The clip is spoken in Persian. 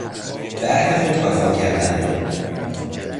به عهد خود وفا کردن